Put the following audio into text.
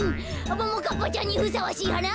「ももかっぱちゃんにふさわしいはな」